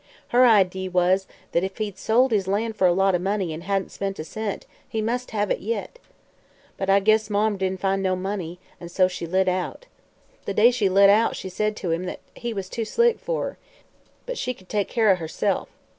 Her idee was that if he'd sold his land for a lot o' money, an' hadn't spent a cent, he must hev it yit. But I guess Marm didn't find no money, an' so she lit out. The day she lit out she said to him that he was too slick for her, but she could take care o' herself.